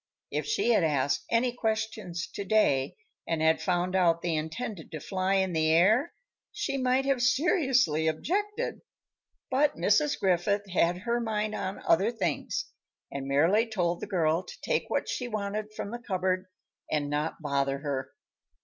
If she had asked any questions to day, and had found out they intended to fly in the air, she might have seriously objected; but Mrs. Griffith had her mind on other things and merely told the girl to take what she wanted from the cupboard and not bother her.